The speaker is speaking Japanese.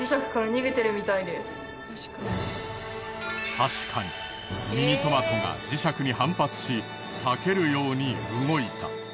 確かにミニトマトが磁石に反発し避けるように動いた。